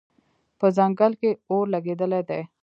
په ځنګل کې اور لګېدلی دی